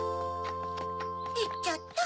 いっちゃった。